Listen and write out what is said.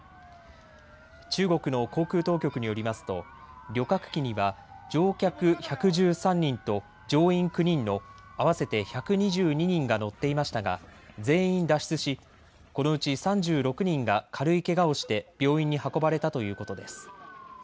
中国の航空当局によりますと旅客機には乗客１１３人と乗員９人の合わせて１２２人が乗っていましたが全員脱出しこのうち３６人が軽いけがをして病院に運ばれたということです。